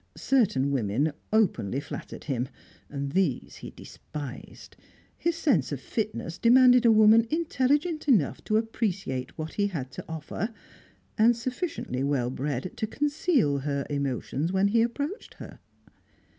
Certain women openly flattered him, and these he despised. His sense of fitness demanded a woman intelligent enough to appreciate what he had to offer, and sufficiently well bred to conceal her emotions when he approached her.